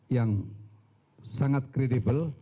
yang sangat kredibel